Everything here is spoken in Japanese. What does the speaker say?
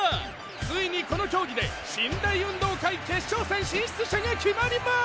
ついにこの競技で神・大運動会決勝戦進出者が決まります！